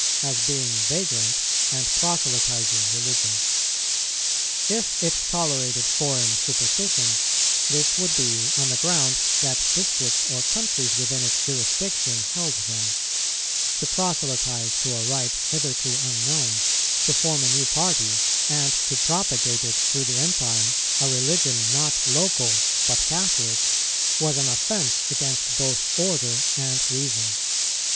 as being vagrant and proselytizing religions. If it tolerated foreign superstitions, this would be on the ground that districts or countries within its jurisdiction held them; to proselytize to a rite hitherto unknown, to form a new party, and to propagate it through the Empire, a religion not local but Catholic, was an offence against both order and reason.